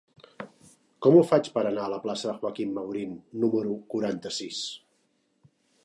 Com ho faig per anar a la plaça de Joaquín Maurín número quaranta-sis?